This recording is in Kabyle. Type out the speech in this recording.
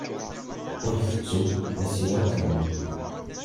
Ur ttettu tasiwant-nnem.